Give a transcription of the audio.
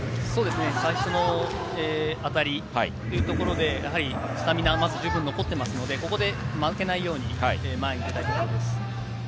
最初のあたりというところでスタミナはまず残っていますので、ここで負けないように前に出たいところです。